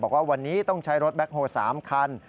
บอกว่าวันนี้ต้องใช้รถแคคโฮล๓คัน